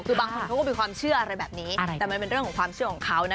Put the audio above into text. คือบางคนเขาก็มีความเชื่ออะไรแบบนี้แต่มันเป็นเรื่องของความเชื่อของเขานะ